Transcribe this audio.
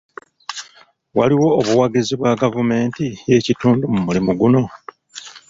Waliwo obuwagizi bwa gavumenti y'ekitundu mu mulimu guno?